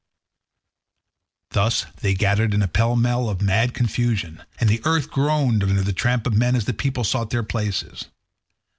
Thus they gathered in a pell mell of mad confusion, and the earth groaned under the tramp of men as the people sought their places.